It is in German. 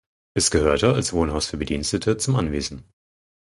Es gehörte als Wohnhaus für Bedienstete zum Anwesen.